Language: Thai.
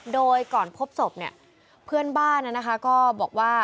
โดยก่อนพบศพเพื่อนบ้านบอกว่า